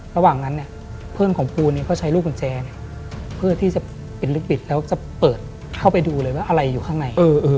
ระหว่างนั้นเนี่ยเพื่อนของปูก็ใช้ลูกกุญแจเพื่อที่จะปิดลิปปิดแล้วจะเปิดเข้าไปดูเลยว่าอะไรอยู่ข้างใน